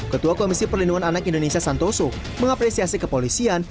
ketua komisi perlindungan anak indonesia santoso mengapresiasi kepolisian